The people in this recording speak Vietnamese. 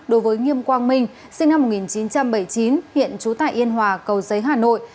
đối với nghiêm quang minh sinh năm một nghìn chín trăm bảy mươi chín hiện trú tại yên hòa cầu giấy hà nội